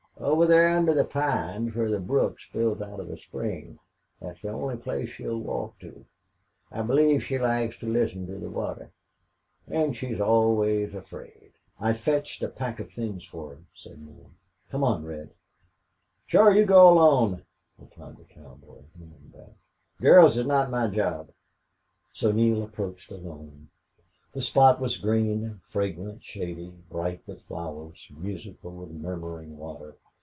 "Over thar under the pines whar the brook spills out of the spring. Thet's the only place she'll walk to. I believe she likes to listen to the water. An' she's always afraid." "I've fetched a pack of things for her," said Neale. "Come on, Red." "Shore you go alone," replied the cowboy, hanging back. "Girls is not my job." So Neale approached alone. The spot was green, fragrant, shady, bright with flowers, musical with murmuring water.